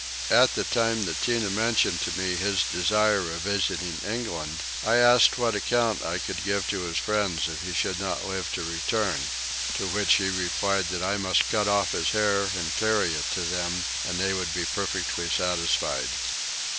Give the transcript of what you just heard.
At the time that Tinah mentioned to me his desire of visiting England I asked what account I could give to his friends if he should not live to return; to which he replied that I must cut off his hair and carry it to them and they would be perfectly satisfied.